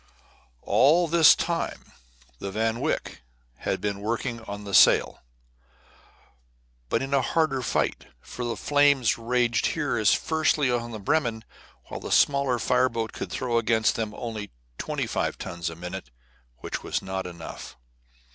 All this time the Van Wyck had been working on the Saale, but in a harder fight, for the flames raged here as fiercely as on the Bremen, while the smaller fire boat could throw against them only twenty five tons of water a minute, which was not enough.